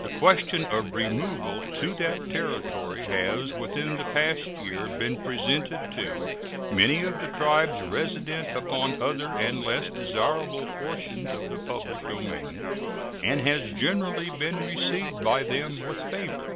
The question of removal to that Territory has within the past year been presented to many of the tribes resident upon other and less desirable portions of the public domain, and has generally been received by them with favor.